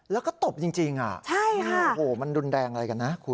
แล้วก็ตบจริงโอ้โหมันรุนแรงอะไรกันนะคุณ